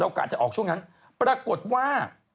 กะจะออกช่วงนั้นปรากฏว่า